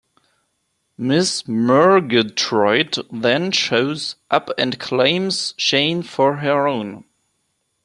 Miss Murgatroyd then shows up and claims Shane for her own.